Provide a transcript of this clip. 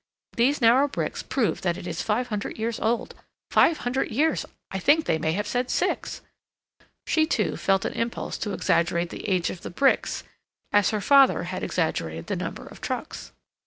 These narrow bricks prove that it is five hundred years old—five hundred years, I think—they may have said six." She, too, felt an impulse to exaggerate the age of the bricks, as her father had exaggerated the number of trucks.